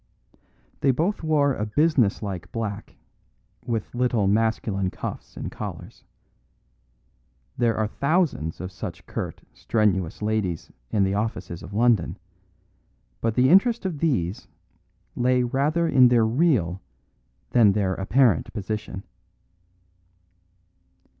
They both wore a business like black, with little masculine cuffs and collars. There are thousands of such curt, strenuous ladies in the offices of London, but the interest of these lay rather in their real than their apparent position.